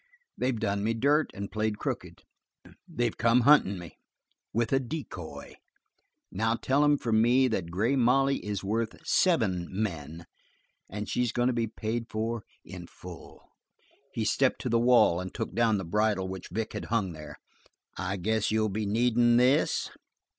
They've done me dirt and played crooked. They come huntin' me with a decoy. Now tell 'em from me that Grey Molly is worth seven men, and she's goin' to be paid for in full." He stepped to the wall and took down the bridle which Vic had hung there. "I guess you'll be needin' this?"